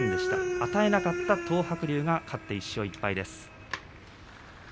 与えなかった東白龍が勝ちました１勝１敗です。